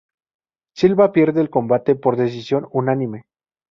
Silva pierde el combate por decisión unánime.